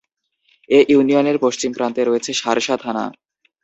এ ইউনিয়নের পশ্চিম প্রান্তে রয়েছে শার্শা থানা।